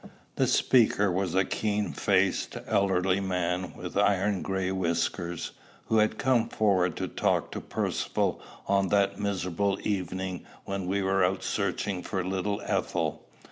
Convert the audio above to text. The speaker was the keen faced, elderly man, with iron gray whiskers, who had come forward to talk to Percivale on that miserable evening when we were out searching for little Ethel.